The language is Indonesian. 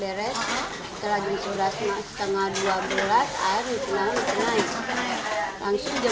belum ngusik masih di atas